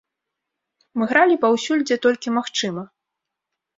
Мы гралі паўсюль, дзе толькі магчыма.